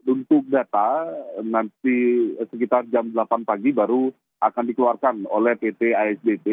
untuk data nanti sekitar jam delapan pagi baru akan dikeluarkan oleh pt asbp